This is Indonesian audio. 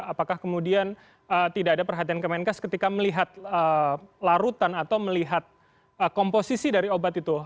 apakah kemudian tidak ada perhatian kemenkes ketika melihat larutan atau melihat komposisi dari obat itu